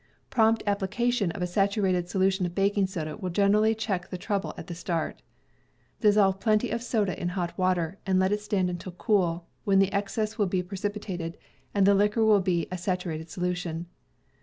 Prompt application of a saturated solu tion of baking soda will generally check the trouble at the start. Dissolve plenty of the soda in hot water, and let it stand until cool, when the excess will be pre cipitated, and the liquor will be a saturated solution.